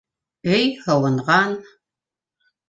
Өй һыуынған.